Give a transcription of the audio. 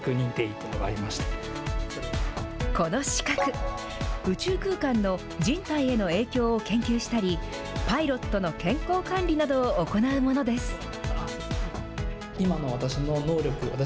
この資格、宇宙空間の人体への影響を研究したり、パイロットの健康管理などを行うものです。